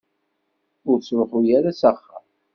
Ur ttruḥu ara s axxam.